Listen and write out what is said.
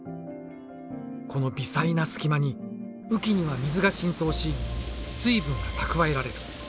この微細な隙間に雨季には水が浸透し水分が蓄えられる。